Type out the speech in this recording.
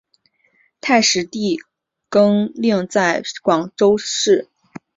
太史第更另外在广州市郊自设农场生产花果荔枝等等。